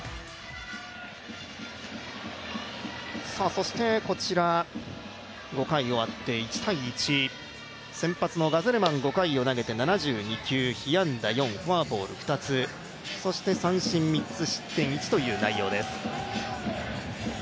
そして、こちら５回終わって１−１先発のガゼルマン５回を投げて、７９被安打４、フォアボール２つ、そして三振３つ、失点１という内容です。